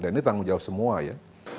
dan ini tanggung jawab semua ya